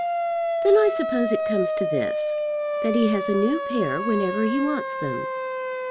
"Then I suppose it comes to this, that he has a new pair whenever he wants them.